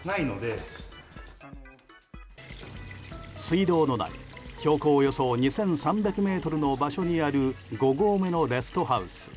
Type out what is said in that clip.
水道のない、標高およそ２３００ｍの場所にある５合目のレストハウス。